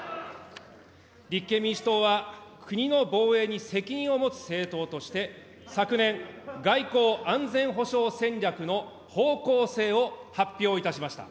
立憲民主党は、国の防衛に責任を持つ政党として、昨年、外交・安全保障戦略の方向性を発表いたしました。